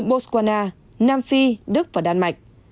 botswana nam phi đức và đan mạch